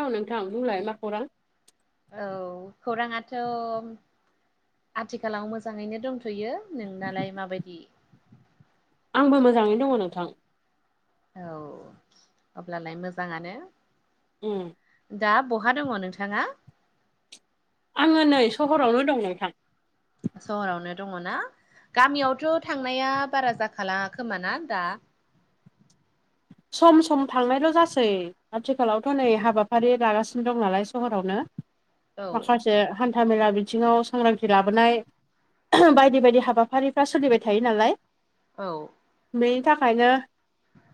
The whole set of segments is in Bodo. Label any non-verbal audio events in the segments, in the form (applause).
औ नोंथां बुंलाय मा खौरां औ खौराङाथ' आथिखालाव मोजाङैनो दंथ' थुयो नोंनालाय माबायदि आंबो मोजाङै दङ नोंथां औ अब्लालाय मोजाङानो उम दा बहा दङ नोंथाङा आङो नै सहरावनो दंनायखां सहरावनो दङ ना गामियावथ' थांनाया बारा जाखाला खोमाना दा सम सम थांनायल' जासै आथिखालावथ' नै हाबाफारि लागासिनो दं नालाय सहरावनो औ माखासे हान्थामेला बिथिङाव सांग्रांथि लाबोनाय बायदि बायदि हाबाफारिफ्रा सोलिबाय थायो नालाय औ बेनि थाखायनो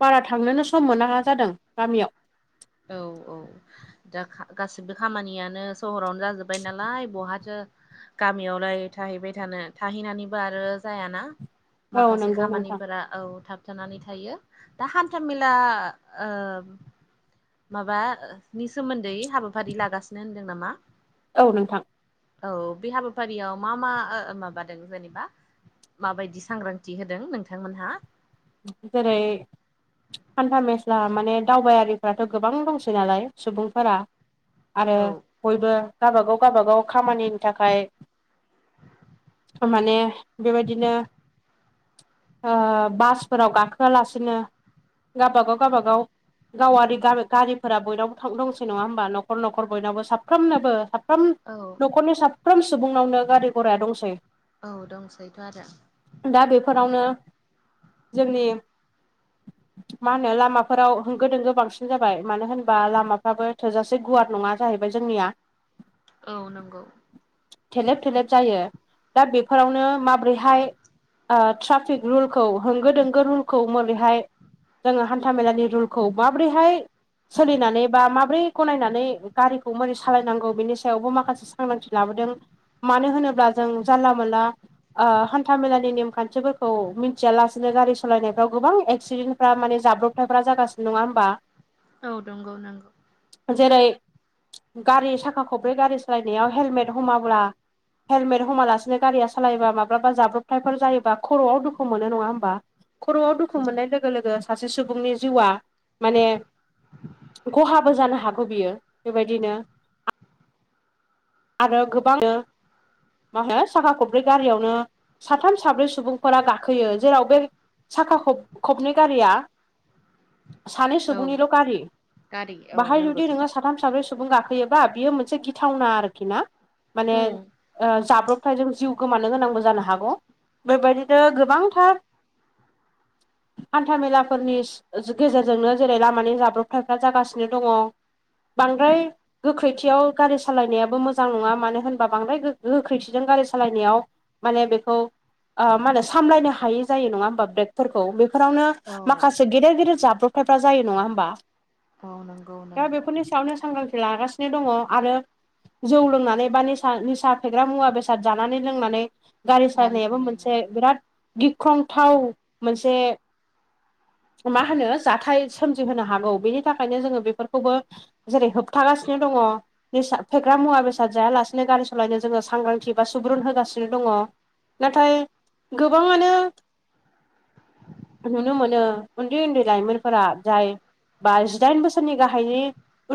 बारा थांनोनो सम मोना जादों गामियाव औ औ दा गासिबो खामानियानो सहरावनो जाजोब्बाय नालाय बहाथो गामियावलाय थाहैबाय थानो थाहैनानैबो आरो जायाना औ माखासे नंगौ नोंथां खामानिफोरा औ थाबथानानै थायो दा हान्थ मेला ओ माबानि सोमोन्दै हाबाफारि लागासिनो होनदों नामा औ नोंथां औ बे हाबाफारियाव मा मा माबादों जेनेबा माबायदि सांग्रांथि होदों नोंथांमोनहा बि जेरै हान्था मेस्ला माने दावबायारिफोरा्राथ' गोबां दंसै नालाय सुबुंफोरा आरो औ बयबो गबागाव गावबागाव खामानिनि थाखाय माने बेबायदिनो बास फोराव गाखोआलासिनो गावबागाव गावबागाव गावारि गारिफोरा बयनावबो थां दंसै नङा होमबा नखर न'खर बयनावबो साफ्रोमनोबो साम औ न'खरनि साफ्रोम सुबुंनावनो गारि घराया दंसै औ दंसैथ' आरो दा बेफोरावनो जोंनि (inaudible) मा होनो लामाफोराव होंगो दोंगो बांसिन जाबाय मानो होनबा लामाफ्राबो थोजासे गुवार नङा जाहैबाय जोंनिया औ नंगौ थेलेब थेलेब जायो दा बेफोरावनो माबोरैहाय ओ ट्राफिक रुलखौ होंगो दोंगो रुलखौ मोरैहाय जोङो हान्था मेलानि रुल खौ माब्रैहाय सोलिनानै बा माब्रै गनायनानै गारिखौ मोरै सालायनांगौ बेनि सायावबो माखासे सा सांग्रांथि लाबोदों मानो होनोब्ला जों जानला मोनला ओ हान्था मेलानि नेमखान्थिफोरखौ मिथिया लासे नो गारि सालायनायफ्राव गोबां एक्सिडेन्टफ्रा माने जाब्रबथायफ्रा जागासि नङा होनबा औ नंगौ नंगौ जेरै गारि साखा खब्रै गारि सालायनायाव हेलमेट हमाब्ला हेलमेट हमालासिनो गारिया सालायोबा माब्लाबा जाब्रबथायफोर जायो खर'आव दुखु मोनो नङा होम बा खर'आव दुखु मोननाय लोगो लोगो सासे सुबुंनि जिउआ माने खहाबो जानो हागौ बियो बेबायदिनो आरो गोबांनो मा होनो साखा खब्रै गारियावनो साथाम साब्रै सुबुंफोरा गाखोयो जेराव बे साखा खब-खबनै गारिया सानै औ सुबुंनिल' गारि गारि औ बाहाय जुदि नंगौथ' नोंङो साथाम साब्रै सुबुं गाखोयोबा बियो मोनसे गिथावना आरोखि ना माने ओ जाब्रब फ्राय जों जिउ गोमानो गोनांबो जानो हागौ बेबायदिनो गोबांथार हान्था मेलाफोरनि सि गेजेरजोंनो जेरै लामानि जाब्रबथायफ्रा जागासिनो दङ बांद्राय गोख्रैथियाव गारि सालायनायाबो मोजां नङा मानो होनबा बांद्राय गो-गोख्रैथिजों गारि सालायनायाव माने बेखौ ओ मा होनो सामलायनो हायि जायो नङा होमबा ब्रेकफोरखौ बेफोरावनो औ माखासे गेदेर गेदिर जाब्रबथायफ्रा जायो नङा होमबा औ नंगौ दा नंगौ बेफोरनि सायावनो सांग्रांथि लागासिनो दङ आरो जौ लोंनानै बा निसा निसा फेग्रा मुवा बेसाद जानानै लोंनानै गारि सालायनायाबो मोनसे बिराद गिख्रंथाव मोनसे मा होनो जाथाय सोमजिहोनो हागौ बेनि थाखायनो जोङो बेफोरखौबो जेरै होबथागासिनो दङ निसा फेग्रा मुवा बेसाद जायालासिनो गारि सालायनो जोङो सांग्रांथि बा सुबुरुन होगासिनो दङ नाथाय गोबाङानो नुनो मोनो उन्दै उन्दै लाइमोनफोरा जाय बा जिदाइन बोसोरनि गाहायनि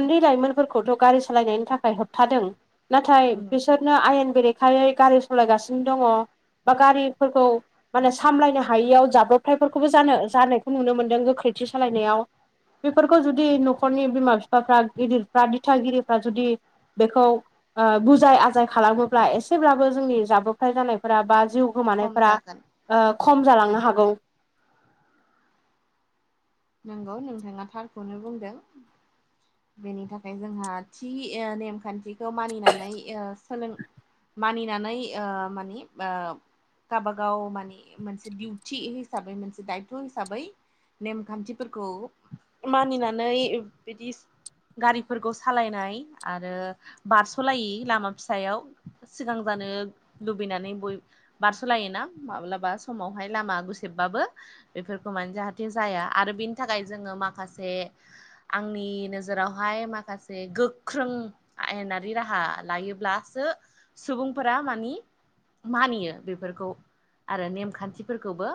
उन्दै लाइमोनफोरखौथ' गारि सालायनायनि थाखाय होबथादों। नाथाय उम बिसोरनो आयेन बेरेखायै गारि सालायगासिनो दङ बा गारिफोरखौ माने सामलायनो हायियाव जाब्रबथायफोरखौबो जानो जानायखौ नुनो मोन्दों गोख्रैथि सालायनायाव। बेफोरखौ जुदि न'खरनि बिमा बिफाफ्रा गिदिरफ्रा दिथागिरिफ्रा जुदि बेखौ ओ बुजाय आजाय खालामोब्ला एसेब्लाबो जोंनि जाब्रब जाथाय जानायफोरा बा जिउ खम गोमानायफोरा जागोन ओ खम जालांनो हागौ नंगौ नोंथाङा थारखौनो बुंदों बेनि थाखाय जोंहा थि ओ नेमखान्थिखौ मानिनानै ओ सोलों मानिनानै ओ मानि ओब गावाबा गाव मानि मोनसे दिउथि हिसाबै मोनसे दायथ' हिसाबै नेमखान्थि फोरखौ मानिनानै बिदि गारिफोरखौ सालायनाय आरो। बारस'लायि लामा फिसायाव सिगां जानो लुबैनानै बय। बारस'लायो ना माब्लाबा समावहाय लामा गुसेबबाबो। बेफोरखौ माने जाहाथे जाया आरो बेनि थाखाय जोङो माखासे। आंनि नोजोरावहाय माखासे गोख्रों। आयेनारि राहा लायोब्लासो सुबुंफोरा मानि। मानियो बेफोरखौ आरो नेमखान्थिफोरखौबो।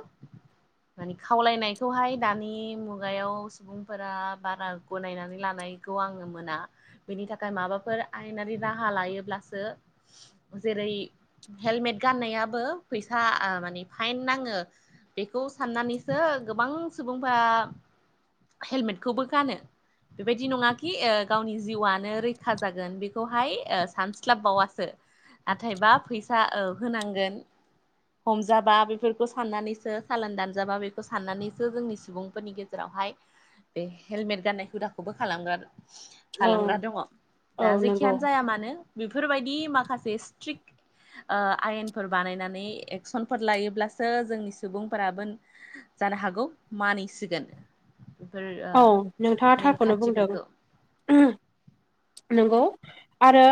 मानि खावलायनायखौहाय दानि मुग। मुगायाव सुबुंफोरा बारा गनायनानै लानायखौ आङो मोना। बेनि थाखाय माबाफोर आयेनारि राहा लायोब्लासो जेरै। हेलमेट गाननायाबो फैसा ओ माने फाइन नाङो। बेखौ साननानैसो गोबां सुबुंफोरा। हेलमेटखौबो गानो। बेबायदि नङाखि ओ गावनि जिउआनो रैखा जागोन बेखौहाय ओ सानस्लाबबावासो। नाथायबा फैसा औ होनांगोन। हमजाबा बेफोरखौ साननानैसो सालान दानजाबा बेखौ साननानैसो जोंनि सुबुंफोरनि गेजेराव। जेरावहाय बे हेलमेट गाननाय हुदाखौबो खालामदों। औ खालामग्रा दङ औ दा नंगौ जेखियानो जाया मानो बेफोरबायदि माखासे स्ट्रिकट। ओ आयेनफोर बानायनानै एक्सनफोर लायोब्लासो जोंनि सुबुंफोराबो। जानो हागौ मानिसिगोन। बेफोर ओ औ नोंथाङा थारखौनो बुंदों। नेमखान्थिफोरखौ नंगौ आरो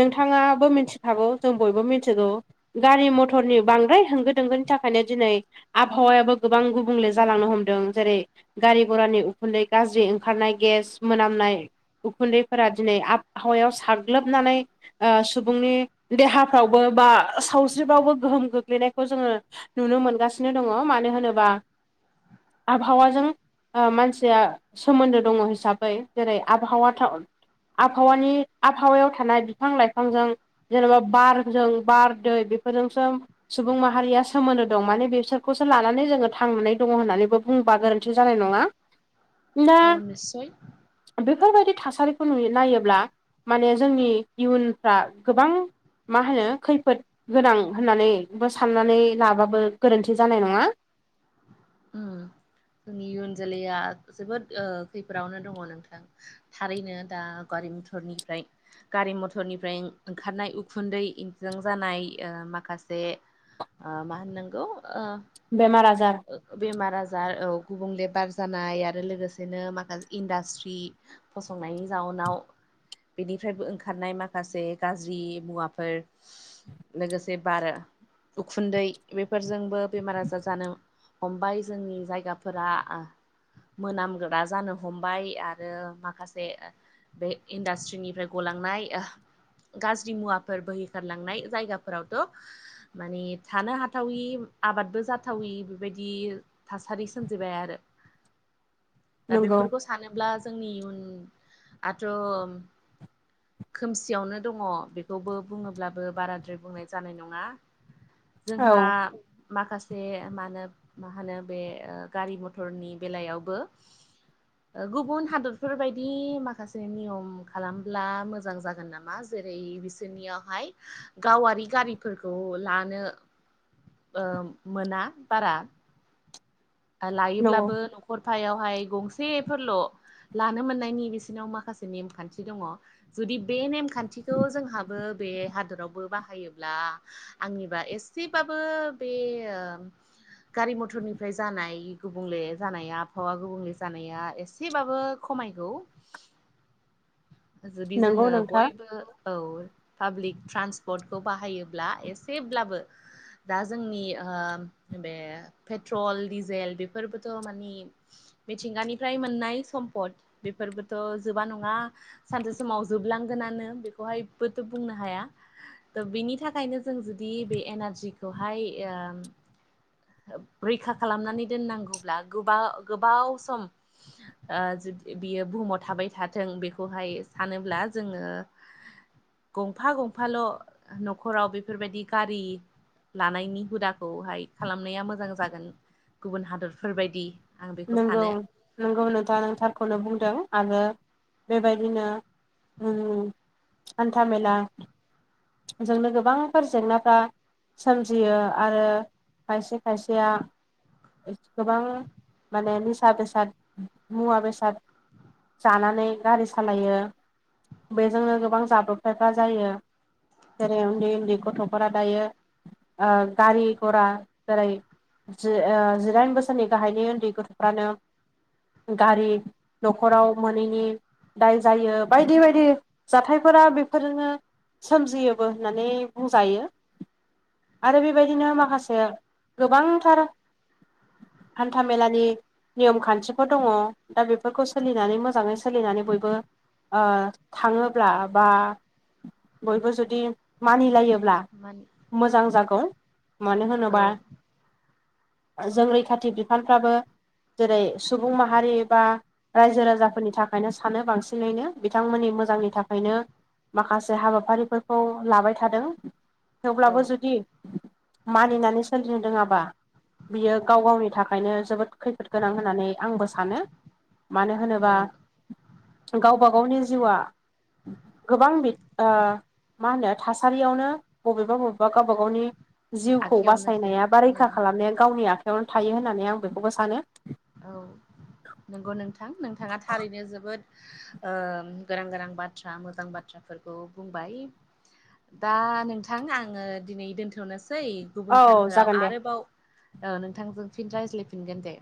नोंथां। थाङाबो मिथिखागौ जों बयबो मिथिगौ। गारि मथरनि बांद्राय होंगो दोंगोनि थाखायनो दिनै। आबहावायाबो गोबां गुबुंले जालांनो हमदों जेरै गारि घरानि। खुन्दै गाज्रि ओंखारनाय गेस मोनामनाय। उखुन्दैफोरा दिनै आबहावायाव साग्लोबनानै। ओ सुबुंनि देहाफ्रावबो बा सावस्रिफ्रावबो गोहोम गोग्लैनायखौ जोङो नुनो मोनगासिनो दङ मानो होनोबा आबहावाजों ओ मानसि। जोआ सोमोन्दो दङ हिसाबै जेरै आबहावा। आबहावानि आबहावायाव थानाय बिफां लाइफांजों। जेनेबा बारजों बार दै बेफोरजोंसो। सुबुं माहारिया सोमोनदो दं माने बेसोरखौसो लानानै जोङो थांनानै दङ होननानैबो बुंङोबा गोरोन्थि जानाय नङा। उम ना। औ निस्सय बेफोरबायदि थासारिखौ नुयो नायोब्ला माने जोंनि इयुनफ्रा गोबां। मा होनो? खैफोद गोनां होननानैबो साननानै लाबाबो गोरोन्थि जानाय नङा। उम जोंनि इयुन जोलैया जोबोद ओ खैफोदावनो दङ नोंथां। थारैनो दा गारि मथरनिफ्राय। गारि मथरनिफ्राय ओंखारनाय उखुन्दैइजों जानाय ओ माखासे। ओ मा होननांगौ ओ। बेमार आजार। ओ बेमार आजार औ गुबुंलेबार जानाय आरो लोगोसेनो माखासे इन्डास्ट्रि। फसंनायनि जाउनाव। बेनिफ्रायबो ओंखारनाय माखासे गाज्रि मुवाफोर। लोगोसे बार उखुन्दै बेफोरजोंबो बेमार आजार जानो। हमबाय जोंनि जायगाफोरा। मोनामगोरा जानो हमबाय आरो माखासे ओ। बे इन्डास्ट्रिनिफ्राय गलांनाय। गाज्रि मुवाफोर बोहैखारलांनाय जायगाफोरावथ'। माने थानो हाथावि आबादबो जाथावि। बेबायदि थासारि सोमजिबाय आरो दा नंगौ बेफोरखौ सानोब्ला जोंनि इयुनआथ' खोमसियावनो दङ बेखौबो बुङोब्लाबो बाराद्राय बुंनाय जानाय नङा। औ जोंहा माखासे मानो मा होनो बे गारि मथरनि बेलायावबो गुबुन हादरफोरबायदि माखासे नियम खालामब्ला मोजां जागोन नामा? जेरै जोंनियावहाय गावारि गारिफोरखौ लानो मोना बारा नंगौ लायोब्लाबो न'खर फायावहाय गंसेफोरल' लानो मोननायनि बिसोरनाव माखासे नेमखान्थि दङ। जुदि बे नेमखान्थिखौ जोंहाबो बे हादरावबो बाहायोब्ला आंनिबा एसेबाबो बे गारि मथरनिफ्राय जानाय गुबुंले जानाया आबहावा गुबुंले जानाया एसेबाबो खमायगौ। जुदि नंगौ जोङो नोंथां बयबो औ पाब्लिक ट्रान्सपर्टखौ बाहायोब्ला एसेब्लाबो दा जोंनि बे पेट्रल डिजेल बेफोरबोथ' मानि मिथिंगानिफ्राय मोननाय सम्पद बेफोरबोथ' जोबा नङा सानसे समाव जोबलांगोनानो बेखौहायबोथ' बुंनो हाया। दा बिनि थाखायनो जों जुदि बे एनारजिखौहाय रैखा खालामनानै दोननांगौब्ला गोबाव गोबाव सम बियो बुहुमाव थाबाय थाथों बेखौहाय सानोब्ला जोङो गंफा गंफाल' न'खराव बेफोरबायदि गारि लानायनि हुदाखौहाय खालामनाया मोजां जागोन। गुबुन हादरफोरबायदि आं बेखौ नोंगौ सानो नंगौ नोंथां नों थारखौनो बुंदों आरो बेबायदिनो उम हानथा मेला जोंनो गोबांफोरा जेंनाफ्रा सोमजियो आरो खायसे खायसेया गोबां माने निसा बेसाद मुवा बेसाद जानानै गारि सालायो बेजोंनो गोबां जाब्रबथायफ्रा जायो। जेरै उन्दै उन्दै गथ'फोरा दायो गारि घरा जेरै जिदाइन बोसोरनि गाहायनि गथ'फ्रानो गारि न'खराव मोनैनि दाय जायो बायदि बायदि जाथायफोरा बेफोरजोंनो सोमजियोबो होननानै बुंजायो। आरो बेबायदिनो माखासे गोबांथार हान्था मेलानि नियम खान्थिफोर दङ दा बेफोरखौ सोलिनानै मोजाङै सोलिनानै बयबो ओ थाङोब्ला बा बयबो जुदि मानिलायोब्ला मानि मोजां जागोन मानो होनोबा जों रैखाथि बिफानफ्राबो जेरै सुबुं माहारि एबा रायजो राजाफोरनि थाखायनो सानो बांसिनैनो बिथांमोननि मोजांनि थाखायनो माखासे हाबाफारिफोरखौ लाबाय थादों औ थेवब्लाबो जुदि मानिनानै सोलिनो रोङाबा बियो गाव गावनि थाखाय थाखायनो जोबोद खैफोद गोनां होननानै आंबो सानो। मानो होनोबा नों गावबा गावनि जिउआ गोबां बि मा होनो थासारियावनो बबेबा बबेबा गावबा गावनि जिउखौ आखायावनो थायो बासायनाया बा उम रैखा खालामनाया गावनि आखायावनो थायो होननानै आं बेखौबो सानो। औ नंगौ नोंथां नोंथाङा। थारैनो जोबोद गोनां गोनां बाथ्रा मोजां बाथ्राफोरखौ बुंबाय। दा नोंथां आङो दिनै दोनथ'नोसै। औ गुबुन सानफोराव जागोन दे आरोबाव ओ नोंथांजों फिन रायज्लायफिनगोन दे